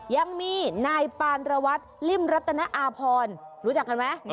ยังมีนายปานระวัตรริ่มรัตนอาพรรู้จักกันไหม